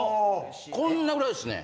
こんなぐらいっすね。